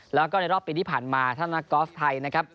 แล้วก็ในรอบปีที่ผ่านมาท่านนักกอล์ฟไทยนะครับ